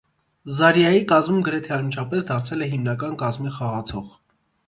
Զարյայի կազմում գրեթե անմիջապես դարձել է հիմնական կազմի խաղացող։